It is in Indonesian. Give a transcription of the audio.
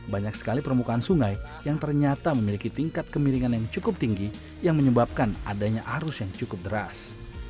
banyak sekali permukaan sungai yang ternyata memiliki tingkat kemiringan yang cukup tinggi yang menyebabkan adanya arus yang cukup deras